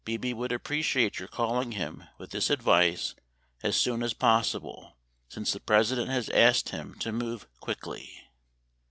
Bebe would appreciate your calling him with this advice as soon as possible since the President has asked him to move quickly.